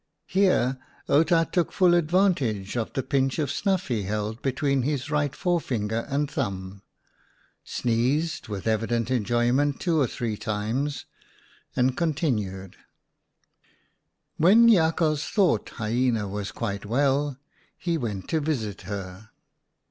Here Outa took full advantage of the pinch of snuff he held between his right forefinger and thumb, sneezed with evi dent enjoyment two or three times, and continued :" When Jakhals thought Hyena was quite well, he went to visit her.